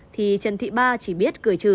thì trần thị ba chỉ biết cười trừ